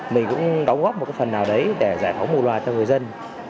mình cũng đóng góp một phần nào đấy để giải phóng một loài cho người dân